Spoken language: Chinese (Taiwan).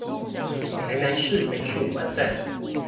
臺南市美術館站